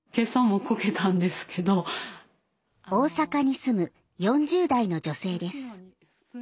大阪に住む４０代の女性です。